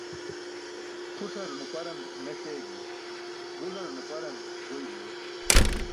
Pʰuṣar nuparan meṣ eegi, gular nuparan goy uu.